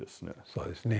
そうですね。